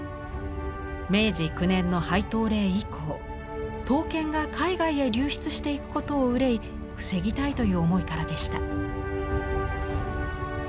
明治９年の廃刀令以降刀剣が海外へ流出していくことを憂い防ぎたいという思いからでした。